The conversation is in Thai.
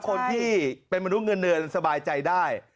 คนที่เป็นมนุษย์เงินเดือนสบายใจได้